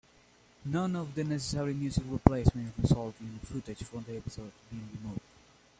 None of the necessary music replacements resulted in footage from the episodes being removed.